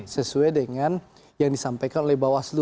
sesuai dengan yang disampaikan oleh bawaslu